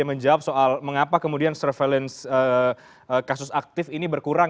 menjawab soal mengapa kemudian surveillance kasus aktif ini berkurang